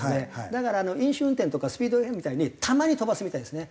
だから飲酒運転とかスピード違反みたいにたまに飛ばすみたいですね。